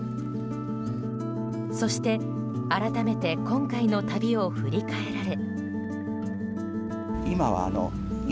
そして、改めて今回の旅を振り返られ。